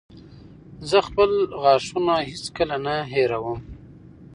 زه خپل غاښونه هېڅکله نه هېروم.